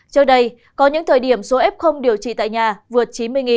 trước đây có những thời điểm số f điều trị tại nhà vượt chín mươi